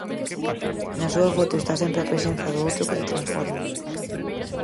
Na súa foto está sempre a presenza do outro que te transforma.